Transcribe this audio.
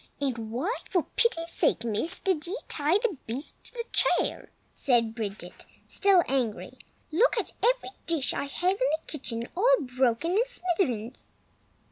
"And why, for the pity's sake, miss, did ye tie the baste to the chair?" said Bridget, still angry. "Look at every dish I have in the kitchen all broken in smithereens!"